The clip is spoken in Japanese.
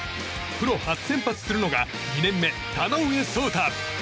プロ初先発するのが２年目、田上奏大。